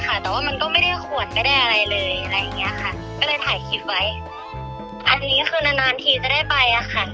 อันนี้คือนานานทีจะได้ไปอะค่ะ